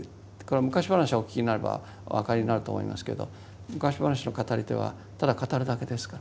昔話をお聞きになればお分かりになると思いますけど昔話の語り手はただ語るだけですから。